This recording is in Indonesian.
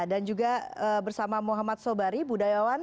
dan juga bersama muhammad sobari budayawan